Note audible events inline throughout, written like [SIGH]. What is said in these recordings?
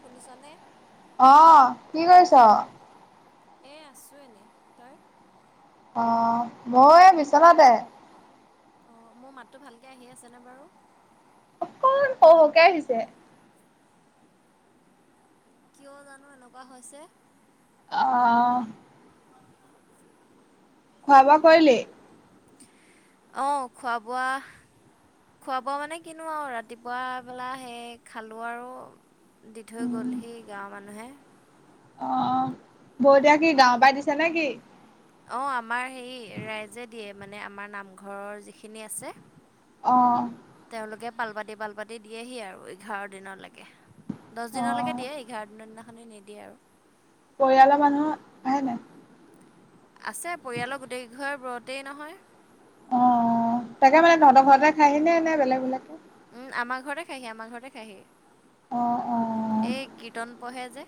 শুনিছোনে? অ' কি কৰিছোঁ? এ, আছোঁ এনেই, তই? অ' মই বিচনাতে। অ' মোৰ মাতটো ভালকে আহি আছেনে বাৰু? অকমান সৰু সৰুকে আহিছে। কিয় জানো এনেকুৱা হৈছে। অ'। [UNINTELLIGIBLE] খোৱা বোৱা কৰিলি? অ' খোৱা বোৱা খোৱা বোৱা মানে কিনো আৰু ৰাতিপুৱা পেলা সেই খালোঁ আৰু দি থৈ উম, গ'লহি গাঁৱৰ মানুহে। বৰ দিয়া কি গাঁও পাই দিছে নে কি? অ' আমাৰ হেৰি ৰাইজে দিয়ে মানে আমাৰ নামঘৰৰ যিখিনি আছে। অ'। তেওঁলোকে পালপাতি, পালপাতি দিয়েহি আৰু এঘাৰ দিনলৈকে। দহ দিনলৈকে অ', দিয়ে, এঘাৰ দিন দিনাখনি নিদিয়ে আৰু। পৰিয়ালৰ মানুহ আহে নাই। আছে, পৰিয়ালৰ গোটেই কেই ঘৰ ব্ৰতেই নহয়। অ', তাকে মানে তহঁতৰ ঘৰতে খাইহি নে বেলেগ বেলেগক। উম, আমাৰ ঘৰতে খাইহি, আমাৰ ঘৰতে খায়হি। অ', অ', এ, কীৰ্তন পঢ়ে যে।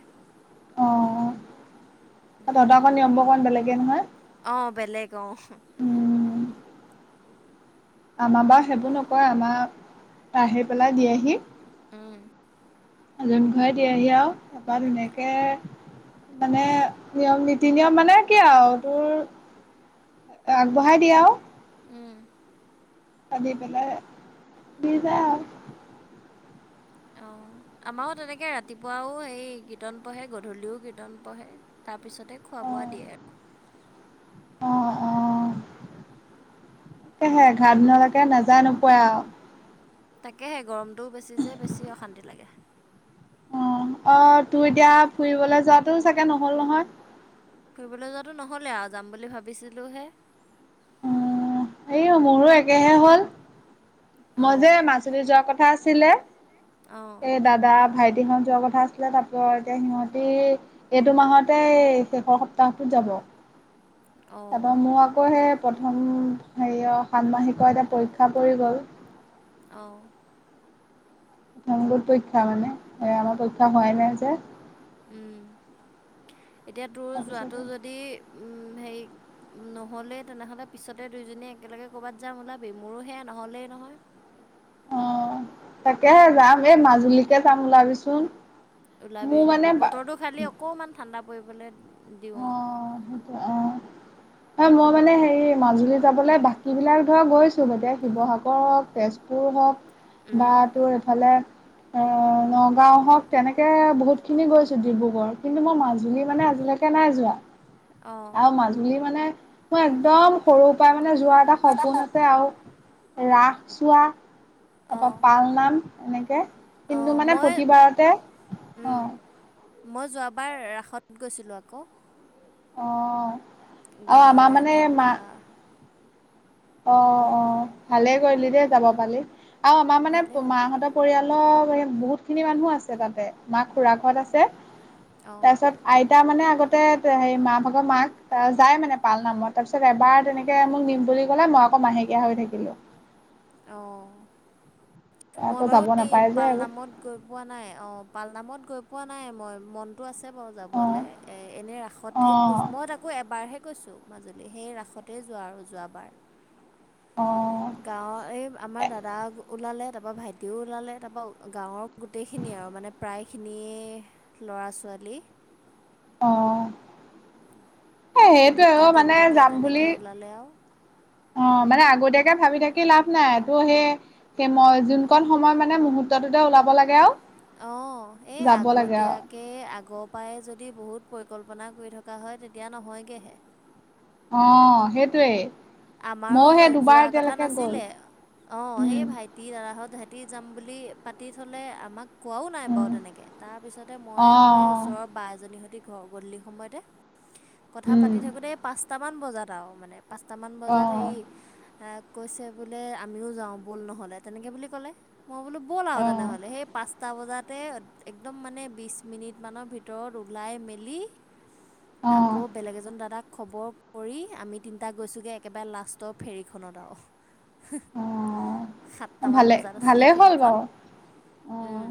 অ', [UNINTELLIGIBLE] নিয়মবোৰ অকমান বেলেগে নহয়। অ' বেলেগ অ'। উম, আমাৰ বাৰু সেইবোৰ নকৰে আমাৰ, আহি পেলাই দিয়েহি। উম। জোন ঘৰে দিয়েহি আৰু তাৰপৰা ধুনীয়াকৈ মানে নিয়ম নীতি নিয়ম মানে কি আৰু তোৰ আগবঢ়াই দিয়া আৰু উম ভাবি পেলাই দি যায় আও অঁ আমাৰো তেনেকৈ ৰাতিপুৱাও সেই কীৰ্তন পঢ়ে গধূলিও কীৰ্তন পঢ়ে তাৰ পিছতে খোৱা বোৱা দিয়ে আৰু অ অ অ তাহে এঘাৰ দিনলৈকে নাযায় নোপোৱাই আও তাকেহে গৰমটোও বেছি যে বেছি অশান্তি লাগে অ অ তোৰ এতিয়া ফুৰিবলৈ যোৱাটো চাগে নহল নহয় ফুৰিবলৈ যোৱাটো নহ'লে আৰু যাম বুলি ভাবিছিলোঁহে এই মোৰো একেহে হ'ল মই যে অঁ, মাজুলী যোৱাৰ কথা আছিলে অঁ। এ দাদা ভাইটিহত যোৱা কথা কথা আছিলে তাৰ এতিয়া সিহঁতি এইটো মাহতে শেষৰ সপ্তাহটোত যাব অঁ, তাৰপৰা মোৰ আকৌ সেই প্ৰথম হেৰি সাতমাহিকৰ এতিয়া পৰীক্ষা পৰি গ'ল অঁ গোট পৰীক্ষা মানে সে আমাৰ পৰীক্ষা হোৱাই নাই যে উম এতিয়া তোৰ তাৰপিছতে যোৱাটো যদি উম হেৰি নহ'লেই তেনেহ'লে পিছতে দুইজনীয়ে একেলগে ক'ৰবাত যাম ওলাবি মোৰো সেয়া নহ'লেই নহয় অ তাকেহে যাম এই মাজুলীকে যাম ওলাবিচোন ওলাবি মোৰ মানে ওলাবি বতৰটো খালি অকণমান ঠাণ্ডা পৰিবলৈ দিওঁ আৰু অঁ সেইটো অঁ [INAUDIBLE] হয় মই মানে হেৰি মাজুলী যাবলৈ বাকী বিলাক ধৰ গৈছো এতিয়া শিৱসাগৰ হওক তেজ পুৰ হওক বা উম, তোৰ এইফালে অ নগাঁও হওক তেনেকে বহুত খিনি গৈছো ডিব্ৰুগড় কিন্তু মই মাজুলী মানে আজিলৈকে কে নাই যোৱা অঁ আৰু মাজুলী মানে মোৰ একদম সৰুৰ পৰাই মানে যোৱাৰ এটা সপোন আছে আৰু ৰাস চোৱা তাৰপৰা পালনাম এনেকে অ কিন্তু মানে মই প্ৰতিবাৰতে অ মই যোৱাবাৰ ৰাসত গৈছিলোঁ আকৌ অ আৰু আমাৰ গাঁৱৰে মানে মা দাদা অ উম উম ভালে কৰিলি দেই যাব পালি আৰু আমাৰ মানে ভালেই হ'ল মাহঁতৰ পৰিয়ালৰ বহুতখিনি মানুহ আছে তাতে মাৰ খুৰা ঘৰ আছে অঁ তাৰপিছত আইতা মানে আগতে হেৰি মা ভাগৰ মাক ত যাই মানে পাল নামত তাৰপিছত তাৰপিছত এবাৰ তেনেকে মোক নিম বুলি কলে মই আকৌ মাহেকীয়া হৈ থাকিলো অ মই আকৌ বাৰু যাব হেৰি এই নাপায় যে এইবোৰ পালনামত গৈ পোৱা নাই অ পাল নামত গৈ পোৱা নাই মই মনতটো আছে আছে বাৰু অ', যাবলৈ এ এনেই ৰাসতহে অ', গৈছোঁ মই তাকো এবাৰহে গৈছোঁ মাজুলী সেই ৰাসতেই যোৱা আৰু যোৱাবাৰ অ গাঁৱৰ এই আমাৰ দাদা ওলালে তাৰপৰা ভাইটিও ওলালে তাৰপৰা গাঁৱৰ গোটেইখিনি আৰু মানে প্ৰায়খিনিয়ে ল'ৰা ছোৱালী অ এই সেইটোৱে দুটা অ মানে তিনিটাকে যাম তেনেকে বুলি ওলালে আৰু অ মানে আগতীয়াকে ভাবি থাকি লাভ নাই টুৰ সেই সেই মই যোনকণ সময় মানে মুহূৰ্ত্তটোতে ওলাব লাগে আৱ। অ এই আগতিয়া কে আগ পাই যদি বহুত পৰিকল্পনা কৰি থকা হয় তেতিয়া নহয়গেহে। অ সেইটোৱে। আমাৰো যোৱা কথা গ'ল নাছিলে। অ সেই উম, ভাই টি দাদাহঁত সিহঁতি যাম বুলি পাতি থ'লে আমাক কোৱাও নাই বাৱ উম। তেনেকে। তাৰ পিছতে মই আকৌ এই অ', ওচৰৰ বা এজনীহঁতি গ গধূলি সময়তে কথা উম, পাতি থাকোতে এই পাঁচটামান বজাত আৱ মানে পাচঁ মান বজাত অ', হেৰী এ কৈছে বোলে আমিও যাওঁ বল নহ'লে তেনেকে বুলি ক'লে। মই বোলো ব'ল আৱ অ', তেনেহ'লে সেই পাঁচটা বজাতে একদম মানে বিছ মিনিট মানৰ ভিতৰত ওলাই মেলি অ', অ'। আকৌ বেলেগ এজন দাদাক খবৰ কৰি আমি তিনটাক গৈছোগে একেবাৰে লাষ্ট ফেৰীখনত আৱ হোঁ। সাতটা মান ভালে বজাত আছিলে ভালেই হ'ল ফেৰীখন। বাৰু অ'। উম।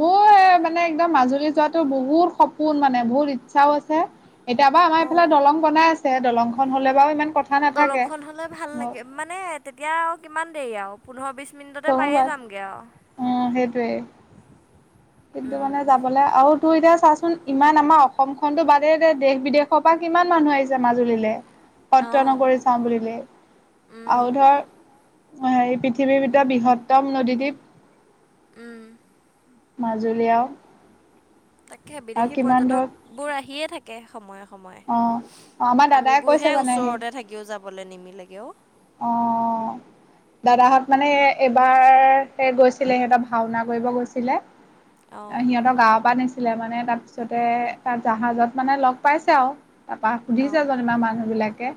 মোৰ এ মানে একদম মাজুলী যোৱাতো বহুত সপোন মানে বহুত ইচ্ছাও আছে। এতিয়া বাউ আমাৰ এফালে দলং বনাই আছে দলংখন হ'লে বাউ ইমান কথা নাথাকে। দলংখন হ'লে ভাল লাগে মানে তেতিয়া আৱ কিমান দেৰি আৱ পোন্ধৰ বিছ মিনিটতে চলো পায়ে বাৰ যামগে আৱ। উম সেইটোৱে। কিন্তু মানে যাবলে আউ তো এতিয়া চাচোন ইমান আমাৰ অসম খনটো বাদে দে দেশ বিদেশৰ পৰা কিমান মানুহ আহিছে মাজুলীলে। [UNINTELLIGIBLE] সত্ৰ নগৰী চাওঁ বুলিলে। উম আউ ধৰ সেই পৃথিৱীৰ ভিতৰত বৃহত্তম নদী দ্বীপ উম। মাজুলী আৱ। তাকে বিদেশী ধৰ পৰ্যটক বোৰ আহিয়ে থাকে সময়ে স অ' সময়ে, অ' আমাৰ দাদাই কৈছে আমিবোৰহে মানে সেই ওচৰতে থাকিও যাবলে নিমিলেগে অউ। অঁ। দাদাহঁত মানে এবাৰ এ গৈছিলে সিহঁতৰ ভাওনা কৰিব গৈছিলে। অঁ এ সিহঁতৰ গাঁৱপা নিছিলে মানে তাৰপিছতে তাত জাহাজত মানে লগ পাইছে আৱ। তাপা সুধিছে অঁ যেনিবা মানুহ বিলাকে, অ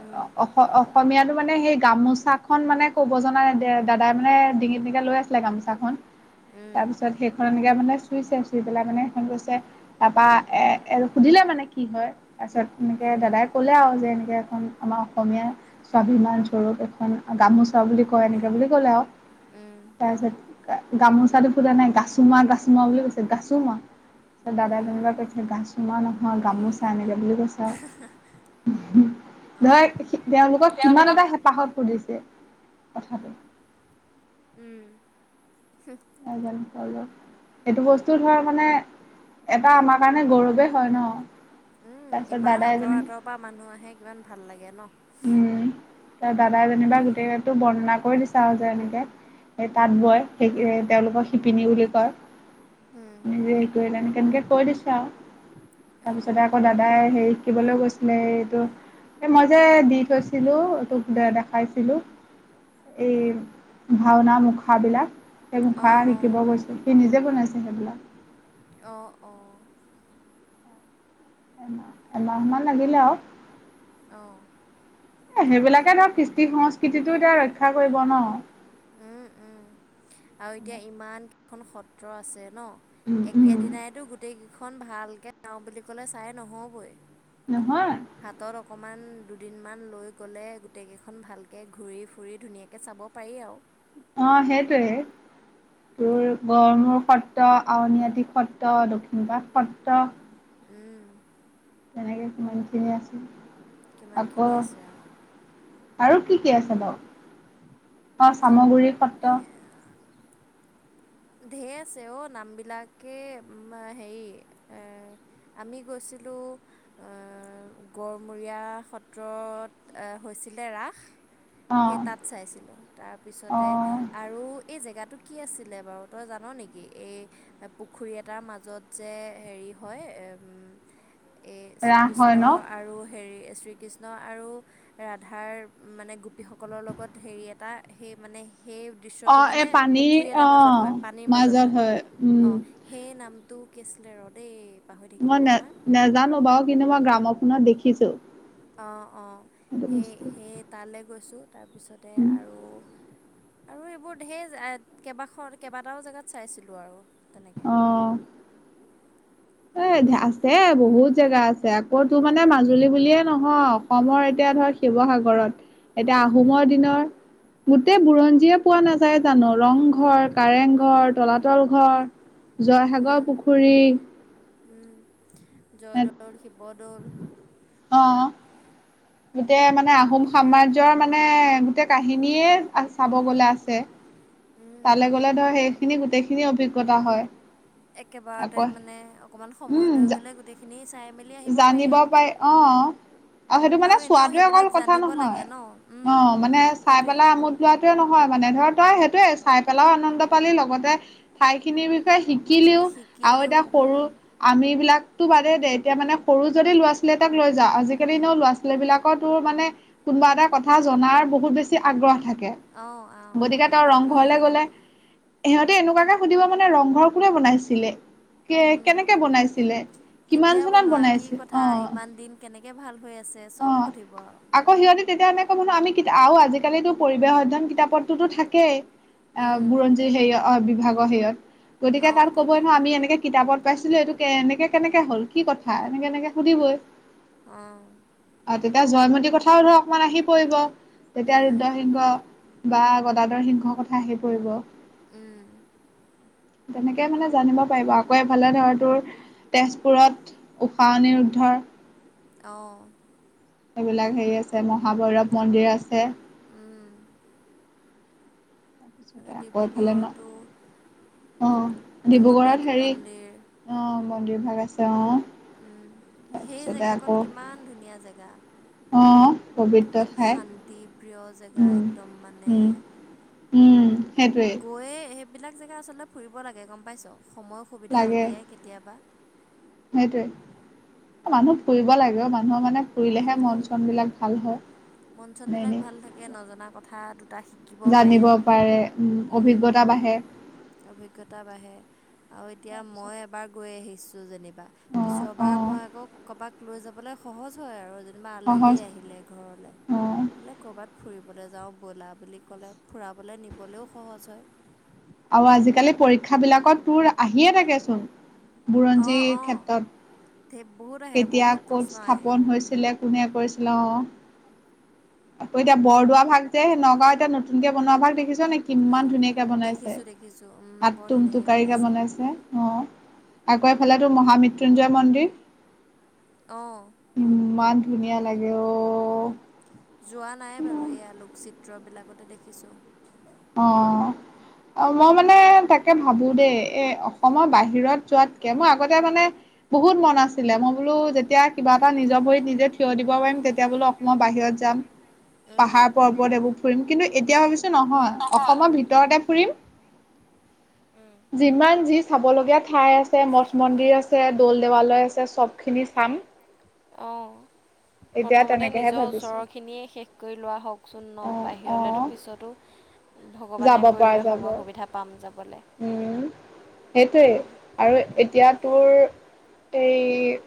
উম অস অহ অসমীয়াটো মানে সেই গামোচা খন মানে ক'ব জনা নাই। দে দাদাই মানে ডিঙিত এনেকে লৈ আছিলে গামোচা খন। উম তাৰপিছত সেইখন এনেকে মানে চুইছে চুই পেলাই মানে সেইখন কৈছে তাপা এ এ সুধিলে মানে কি হয়? তাৰপিছত এনেকে উম দাদাই ক'লে আৱ যে এনেকে এখন আমা অসমীয়া স্বাভিমান স্বৰূপ এখন গামোচা বুলি কয় এনেকে বুলি ক'লে আৱ। উম। তাৰপিছত গামোচাটো ফুটা নাই গাছোমা গাছোমা বুলি কৈছে গাছোমা। দাদাই উম যেনিবা কৈছে গাছোমা নহয় গামোচা এনেকে বুলি কৈছ চা, উমহ, অঁ ধয় তেওঁলোকক কিমান এটা হেঁপাহত সুধিছে কথাটো। উম। হোঁহ। সেইটো বস্তু ধৰ মানে এটা আমাৰ কাৰণে গৌৰৱে হয় ন'? উম তাৰপিছত ইমান দাদাই আঁতৰ আঁতৰ যেনিবা পা মানুহ আহে কিমান ভাল লাগে ন'? উম্, ত দাদাই যেনিবা গোটেইকেইটো বৰ্ণনা কৰি দিছে যে এনেকে। সেই তাঁত বয়, সেই তেওঁলোকক শিপিনী বুলি কয়। উম নিজে একোৱে নাই, এনেকে এনেকে কৈ দিছো আউ, অঁ তাৰপিছতে আকৌ দাদ দাযদাই হেই শিকিবলৈ গৈছিলে, এইটো এই মই এইযে দি থৈছিলোঁ, তোক যে দেখাইছিলোঁ। এই ভাওনা মুখাবিলাক। সেই মুখা অঁ অঁ শিকিব গৈছে, সি নিজে বনাইছে সেইবিলাক। অ'অ'। এমাহ মান লাগিলে আৰু। অ'। এ সেইবিলাকে ধৰ কৃষ্টি-সংস্কৃতিটো এতিয়া ৰক্ষা কৰিব ন? উম্ উম্। আৰু এতিয়া ইমান কেইখন সত্ৰ আছে ন, উম উম একেদিনাইতো গোটেই কেইখন ভালকে চাওঁ বুলি ক'লে, চাই নহ'বই। নহয়। হাতত অকণমান দুদিনমান লৈ গ'লে, গোটেইকেইখন ভালকৈ ঘূৰি ফুৰি ধুনীয়াকৈ চাব পাৰি আৰু। অ', সেইটোৱে। তোৰ গড়মূৰ সত্ৰ, আউনীআটি সত্ৰ, দক্ষিণপাট সত্ৰ। উম্। তেনেকে কিমান খিনি আছে, আকৌ কিমানখিনি আছে আৰু আৰু কি কি আছে বাৰু? অ', চামগুৰি সত্ৰ ঢেৰ আছে অ', নামবিলাকে হেৰি এ আমি গৈছিলোঁ গড়মূৰীয়া সত্ৰত হৈছিলে ৰাস। সেই অ' তাত চাইছিলোঁ। তাৰপিছতে অ' আৰু এই জেগাটো কি আছিলে বাৰু? তই জান নেকি? এই পুখুৰী এটাৰ মাজত যে হেৰি হয়, উম্ এই ৰাস শ্ৰীকৃষ্ণ হয় ন? আৰু হেৰি, শ্ৰীকৃষ্ণ আৰু ৰাধাৰ মানে গোপীসকলৰ লগত হেৰি এটা, সেই মানে সেই দৃশ্যটো অ' এই মানে পানীৰ পুখুৰী এটাৰ মাজত হয়, অ' পানীৰ মাজত হয় উম। অ',। সেই নামটো কি আছিলে, ৰ দেই। পাহৰি থাকিলোঁ নহয়। নাজানোঁ বাৰু, কিন্তু মই গ্ৰামফোনত দেখিছোঁ। অ', অ', সেই সেই তালৈ গৈছোঁ, তাৰপিছতে উম, আৰু আৰু এইবোৰ ঢেৰ কেইবাখন, কেইবাটাও জেগাত চাইছিলোঁ আৰু তেনেকৈ। অ' এ আছে, বহুত জেগা আছে। আকৌ তোৰ মানে মাজুলী বুলিয়ে নহয়, অসমৰ এতিয়া ধৰ শিৱসাগৰত, এতিয়া আহোমৰ দিনৰ গোটেই বুৰঞ্জীয়ে পোৱা নাযায় জানোঁ। ৰংঘৰ, কাৰেংঘৰ, তলাতল ঘৰ, জয়সাগৰ পুখুৰী উম্, জয়দৌল, শিৱদৌল অ'। গোটেই মানে আহোম সাম্ৰাজ্যৰ মানে গোটেই কাহিনীয়ে চাব গ'লে আছে। উম। তালৈ গ'লে ধৰ, সেইখিনি গোটেইখিনি অভিজ্ঞতা হয়। একেবাৰতে আকৌ মানে অকণমান সময় উম লৈ গ'লে, গোটেইখিনি চাই মেলি আহিব জানিব আৰু। পাৰি, অ'। আৰু সেইটো মানে এনেও চোৱাটোৱে অকল সেইবিলাক কথা জানিব লাগে নহয়, ন অ উম। মানে চাই সেইটোৱে পেলাই অকল আমোদ লোৱা টোৱে নহয় মানে ধৰ তই সেইটোৱে চাই পেলাইও আনন্দ পালি লগতে ঠাইখিনিৰ বিষয়ে শিকিলিও আৰু শিকিলেও এতিয়া সৰু উম। আমিবিলাকতো বাদে দে এতিয়া মানে সৰু যদি ল'ৰা - ছোৱালী এটাক লৈ যাওঁ, আজিকালি ন ল'ৰা- ছোৱালীবিলাকটো মানে কোনোবা এটা কথা জনাৰ বহুত বেছি আগ্ৰহ থা কে, অ', অ', গতিকে তেওঁ বহুত আগ্ৰহী ৰংঘৰলে হয় গলে সিহঁতে এনেকুৱাকে সুধিব মানে ৰংঘৰ কোনে বনাইছিলে? কে কেনেকে বনাইছিলে? কিমান এ চনত বনোৱা কি বনাইছিল কথা অ ইমান দিন কেনেকে ভাল হৈ আছে অ চব সুধিব আৰু। আকৌ সিহঁতি তেতিয়া এনে ক' ম ন আমি কিতা আৰু আজিকালিতো পৰিৱেশ অধ্যয়ন কিতাপতোতো থাকেই। অ' উম, বুৰঞ্জীৰ হেৰিয় অ বিভাগৰ হেৰিয়ত গতিকে তাত অ', ক'বই থাকে ন আমি এনেকে কিতাপত পাইছিলো, এইটো এনেকে কেনেকে হ'ল, কি কথা, এনেকে এনেকে সুধিবই? অ'। অ' তেতিয়া জয়মতীৰ কথাও ধৰ অকমান আহি পৰিব তেতিয়া উম। ৰুদ্ৰসিংহ। বা গদাধৰ সিংহৰ কথা আহি পৰিব। উম। তেনেকে মানে জানিব পাৰিব আকৌ এফালে ধৰ তোৰ তেজপুৰত উষা-অনিৰুদ্ধৰ অ'। এইবিলাক হেৰি আছে, মহাভৈৰৱ মন্দিৰ আছে। উম। পিছতে ফালে আকৌ এফালে ন, ডিব্ৰুগড়তো অ' জগন্নাথ ডিব্ৰুগড়ত হেৰি মন্দিৰ অ' মন্দিৰভাগ আছে অ'। উম, সেই তাৰপিছতে জেগাকন আকৌ কিমান ধুনীয়া জেগা? অ', পবিত্ৰ কিমান ঠাই। শান্তি প্ৰিয় জেগা উম। একদম মানে। উম, উম, সেইটোৱেই গৈয়ে, সেইবিলাক জেগা আচলতে ফুৰিব লাগে গম পাইছ? সময় সুবিধা লাগে উলিয়াই কেতিয়াবা। সেইটোৱে, এ মানুহ ফুৰিব লাগে অ', মানুহৰ মানে ফুৰিব ফুৰিলেহে মন লাগে। - চনবিলাক ভাল হয়। মন ন চনবিলাক এনেই, ভাল থাকে, নজনা কথা দুটা শিকিব পাৰি। জানিব পাৰে, উম অভিজ্ঞতা বা হে অভিজ্ঞতা বাঢ়ে আৰু এতিয়া তাৰপিছত মই এবাৰ গৈ আহিছোঁ যেনি বা অ', পিছৰবাৰ অ', মই আকৌ কৰোবাক লৈ যাবলৈ সহজ হয় আৰু। তোমাৰ সহজ আলহীয়ে আহিলে ঘৰলৈ। অ' বোলে, ক'ৰবাত ফুৰিবলৈ যাওঁ ব'লা বুলি ক'লে, ফুৰাবলৈ নিবলৈও সহজ হয়। আৰু আজিকালি পৰীক্ষাবিলাকত তোৰ আহিয়ে থাকেচোন, বুৰঞ্জীৰ ক্ষেত্ৰত। থে বহুত আহে কেতিয়া বহুত ক'ত প্ৰশ্ন আহে স্থাপন হৈছিলে, কোনে কৰিছিলে অ'? আকৌ এতিয়া বৰদোৱা ভাগ যে, নগাঁও এতিয়া নতুনকে বনোৱা ভাগ দেখিছ নে কি কিমান ধুনীয়াকৈ বনাইছে, দেখিছোঁ দেখিছোঁ বৰ ধুনীয়াকৈ আতুম-টোকাৰিকৈ বনাইছে। অ', আকৌ এফালে তোৰ মহামৃত্যুঞ্জয় মন্দিৰ। অ'। ইমান ধুনীয়া লাগে অ'। যোৱা নাই বাৰু এই আলোকচিত্ৰ বিলাকতে দেখিছোঁ। অ'। অ মই মানে তাকে ভাবো দেই, এ অসমৰ বাহিৰত যোৱাতকে, মই আগতে মানে বহুত মন আছিলে, মই বোলো যেতিয়া কিবা এটা নিজৰ ভৰিত নিজে থিয় দিব পাৰিম তেতিয়া বোলো মই বাহিৰত যাম, উম পাহাৰ-পবৰ্ত এইবোৰ ফুৰিম, কিন্তু এতিয়া ভাবিছো নহয় অসমৰ ভিতৰত ভিতৰতে ফুৰিম উম। যিমান যি চাব লগীয়া ঠাই আছে, মঠ-মন্দিৰ আছে, দৌল-দেৱালয় আছে, চব খিনি চাম। অ। এতিয়া প্ৰথমতে তেনেকেহে নিজৰ ভাবিছো ওচৰ খিনিয়ে শেষ কৰি লোৱা হওকচোন ন, অ অ বাহিৰলেতো পিছতো যাব ভগৱানে পৰা কৰিলে যাব। সময় সুবিধা পাম যাবলৈ। উম সেইটোৱেই আৰু এতিয়া তোৰ এই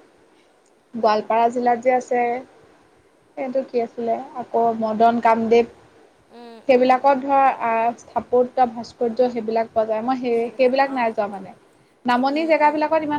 গোৱালপাৰা জিলাত যে আছে সেইটো কি আছিলে, আকৌ মদন কামদেৱ উম উম সেইবিলাকত ধৰ স্থাপত্য, ভাস্কৰ্য সেইবিলাক পোৱা যায়, মই সেইবিলাক সেই-সেইবিলাকত নাই অঁ যোৱা মানে, নামনি উম জেগা উম বিলাকত ইমান